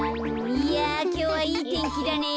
いやきょうはいいてんきだね。